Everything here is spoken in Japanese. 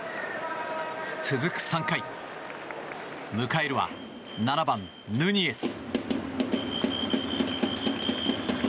続く３回迎えるは７番、ヌニエス。